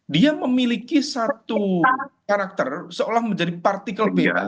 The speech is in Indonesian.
dia memiliki satu karakter seolah menjadi partikel band